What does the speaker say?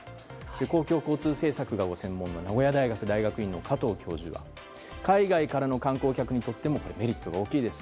公共交通政策がご専門の名古屋大学大学院の加藤教授は海外からの観光客にとってもメリットが大きいです。